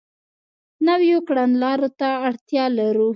نویو کړنلارو ته اړتیا لرو.